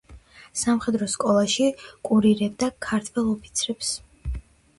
სამხედრო სკოლაში კურირებდა ქართველ ოფიცრებს.